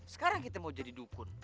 sekarang kita mau jadi dukun